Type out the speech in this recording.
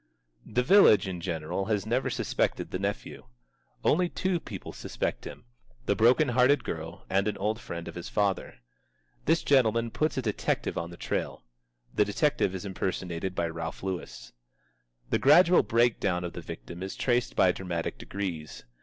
The village in general has never suspected the nephew. Only two people suspect him: the broken hearted girl and an old friend of his father. This gentleman puts a detective on the trail. (The detective is impersonated by Ralph Lewis.) The gradual breakdown of the victim is traced by dramatic degrees.